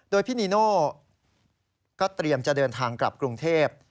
โดยพี่นีโน่ก็เตรียมจะเดินทางกลับกรุงเทพ